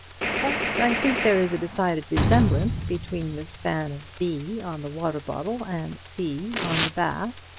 But I think there is a decided resemblance between the span of B on the water bottle and C on the bath.